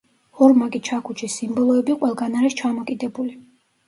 ორმაგი ჩაქუჩის სიმბოლოები ყველგან არის ჩამოკიდებული.